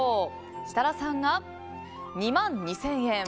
設楽さんが２万２０００円。